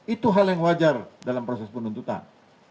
itu hal yang wajar dalam proses penuntutan